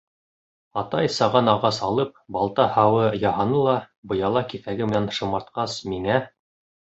Атай, саған ағас алып, балта һабы яһаны ла, быяла киҫәге менән шымартҡас, миңә: